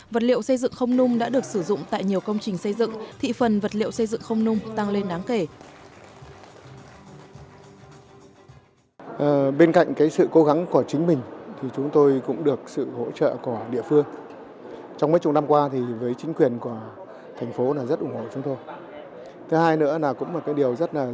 vật liệu xây dựng không nung đã được sử dụng tại nhiều công trình xây dựng thị phần vật liệu xây dựng không nung tăng lên đáng kể